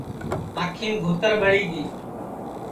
آنکھیم گُھتر ٻڑی گی